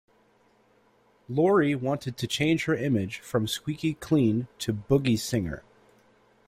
Lorie wanted to change her image from squeaky-clean to boogie singer.